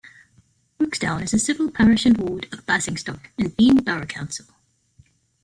Rooksdown is a civil parish and ward of Basingstoke and Deane borough council.